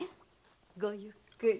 ごゆっくり。